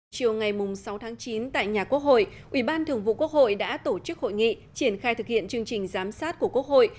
chiều ngày sáu tháng chín tại nhà quốc hội ủy ban thường vụ quốc hội đã tổ chức hội nghị triển khai thực hiện chương trình giám sát của quốc hội